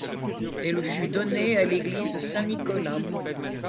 Elle fut donnée à l'église Saint-Nicolas.